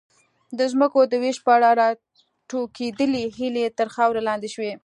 د ځمکو د وېش په اړه راټوکېدلې هیلې تر خاورې لاندې شوې.